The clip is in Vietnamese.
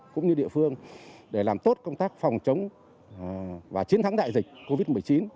cũng như địa phương để làm tốt công tác phòng chống và chiến thắng đại dịch covid một mươi chín